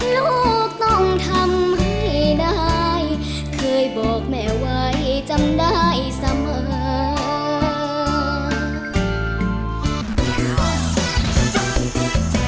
ลูกต้องทำให้ได้เคยบอกแม่ไว้จำได้เสมอ